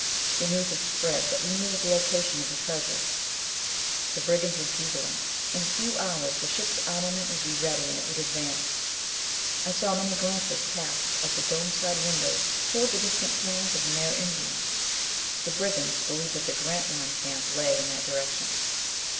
The news had spread that we knew the location of the treasure. The brigands were jubilant. In a few hours the ship's armament would be ready, and it would advance. I saw many glances cast out the dome side windows toward the distant plains of the Mare Imbrium. The brigands believed that the Grantline camp lay in that direction.